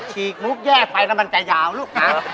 อย่าฉีกมุกแยกไปนะมันจะยาวลูกค้า